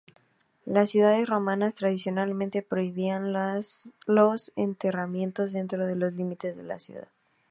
Las ciudades romanas tradicionalmente prohibían los enterramientos dentro de los límites de la ciudad.